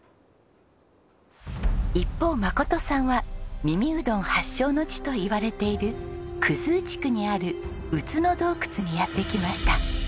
一方眞さんは耳うどん発祥の地といわれている生地区にある宇津野洞窟にやって来ました。